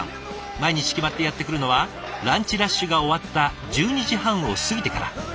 毎日決まってやって来るのはランチラッシュが終わった１２時半を過ぎてから。